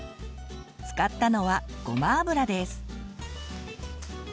使ったのはごま油です。